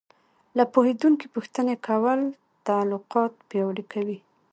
له پوهېدونکي پوښتنه کول تعلقات پیاوړي کوي.